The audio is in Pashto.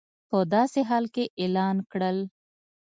په داسې حال کې اعلان کړل